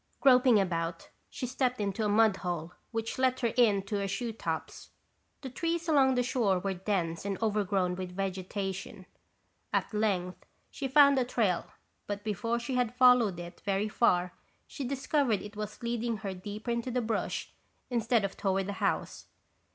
Groping about, she stepped into a mud hole which let her in to her shoetops. The trees along the shore were dense and overgrown with vegetation. At length she found a trail but before she had followed it very far she discovered it was leading her deeper into the brush instead of toward the house.